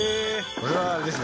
これはあれですね